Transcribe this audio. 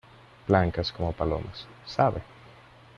blancas como palomas. ¿ sabe?